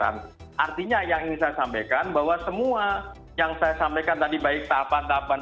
dan artinya yang ini saya sampaikan bahwa semua yang saya sampaikan tadi baik tahapan tahapan